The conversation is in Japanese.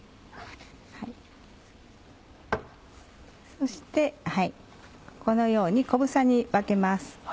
そしてこのように小房に分けます。